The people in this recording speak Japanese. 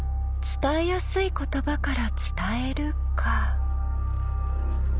伝えやすい言葉から伝えるか。